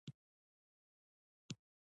دغه ملت ستاسي د هیواد خدمت وکړو.